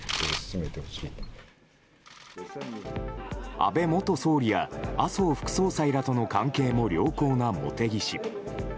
安倍元総理や麻生副総裁との関係も良好な茂木氏。